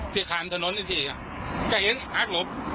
พี่ขามถนนอีกทีก็เห็นหักลบ